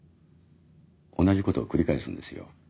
同じことを繰り返すんですよ。